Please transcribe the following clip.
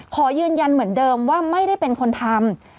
ขอยืนยันเหมือนเดิมว่าไม่ได้เป็นคนทำ